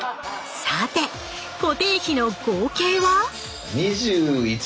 さて固定費の合計は？